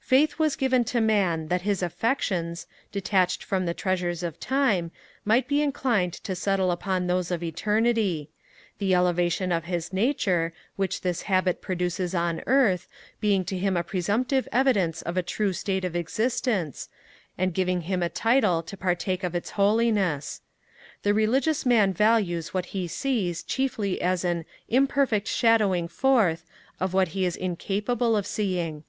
Faith was given to man that his affections, detached from the treasures of time, might be inclined to settle upon those of eternity; the elevation of his nature, which this habit produces on earth, being to him a presumptive evidence of a future state of existence; and giving him a title to partake of its holiness. The religious man values what he sees chiefly as an 'imperfect shadowing forth' of what he is incapable of seeing.